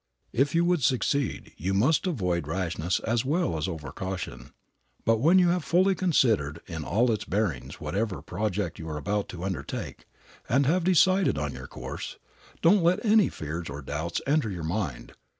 If you would succeed, you must avoid rashness as well as over caution. But when you have fully considered in all its bearings whatever project you are about to undertake, and have decided on your course, don't let any fears or doubts enter your mind.